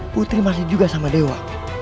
putri masih juga sama dewa